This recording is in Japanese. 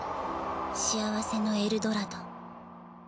幸せのエルドラド。